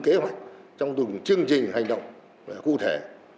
để giúp chúng ta giữ vững kế hoạch trong chương trình hành động cụ thể